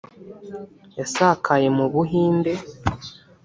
yasakaye mu Buhinde